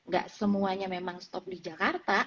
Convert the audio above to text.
gak semuanya memang stop di jakarta